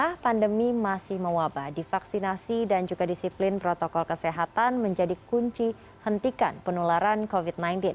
kami masih mewabah di vaksinasi dan juga disiplin protokol kesehatan menjadi kunci hentikan penularan covid sembilan belas